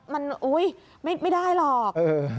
มันไม่ได้หรอก